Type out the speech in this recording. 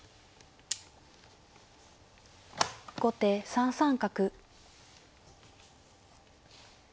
後手３三角。